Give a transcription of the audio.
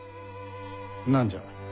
何じゃ？